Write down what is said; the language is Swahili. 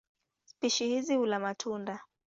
Spishi hizi hula matunda.